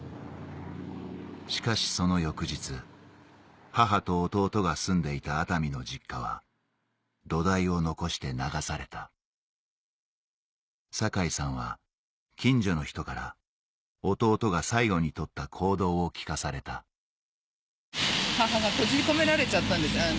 しかしその翌日母と弟が住んでいた熱海の実家は土台を残して流された酒井さんは近所の人から弟が最後に取った行動を聞かされたそれで。